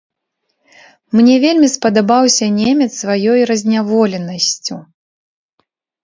Мне вельмі спадабаўся немец сваёй разняволенасцю.